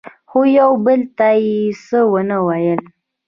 خو یو بل ته یې څه ونه ویل.